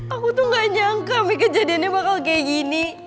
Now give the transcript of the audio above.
aku tuh gak nyangka nih kejadiannya bakal kayak gini